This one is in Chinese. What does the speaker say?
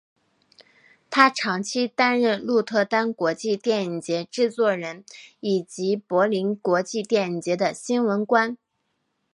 他长期担任鹿特丹国际电影节制作人以及柏林国际电影节的新闻官。